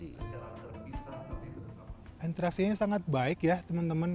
interaksinya sangat baik ya teman teman